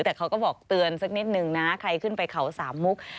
แต่เขาก็บอกเตือนสักนิดนึงนะใครขึ้นไปเขาสามมุก